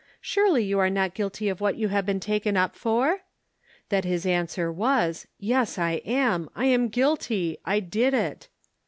Surely you are not guilty of what you have been taken up for?" That his answer was, "Yes, I am! I am guilty! I did it!"